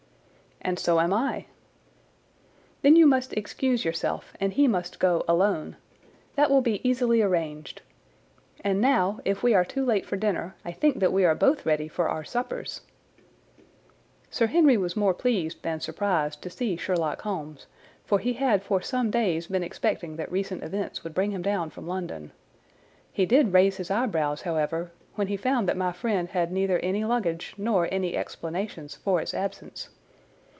"And so am I." "Then you must excuse yourself and he must go alone. That will be easily arranged. And now, if we are too late for dinner, I think that we are both ready for our suppers." Chapter 13. Fixing the Nets Sir Henry was more pleased than surprised to see Sherlock Holmes, for he had for some days been expecting that recent events would bring him down from London. He did raise his eyebrows, however, when he found that my friend had neither any luggage nor any explanations for its absence.